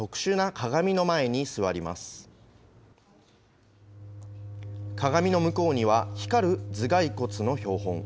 鏡の向こうには、光る頭蓋骨の標本。